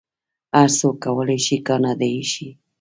هر څوک کولی شي کاناډایی شي.